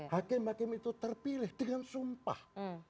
hakim hakim itu terpilih dengan sumpah